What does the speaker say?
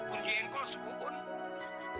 punji engkol sebuun